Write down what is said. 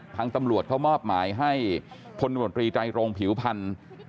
ทางตำรวจเขามอบหมายให้พลตำรวจรีไตรโรงผิวพันธ์